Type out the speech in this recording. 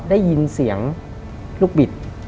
ได้ยินเสียงลูกบิด